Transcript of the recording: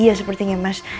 iya sepertinya mas